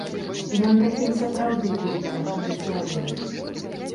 Ён такім сапраўды быў па натуры сваёй.